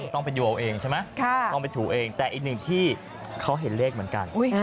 ต้องไปดูเอาเองใช่ไหมต้องไปถูเองแต่อีกหนึ่งที่เขาเห็นเลขเหมือนกัน